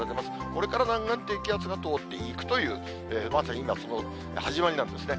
これから南岸低気圧が通っていくという、まさに今、その始まりなんですね。